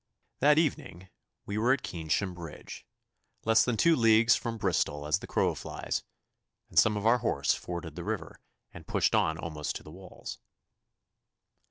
That evening we were at Keynsham Bridge, less than two leagues from Bristol as the crow flies, and some of our horse forded the river and pushed on almost to the walls.